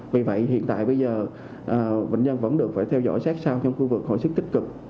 vì vậy hiện tại bây giờ bệnh nhân vẫn được phải theo dõi sát sao trong khu vực hồi sức tích cực